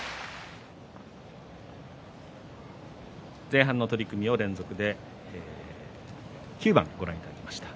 前半の取組を連続で９番ご覧いただきました。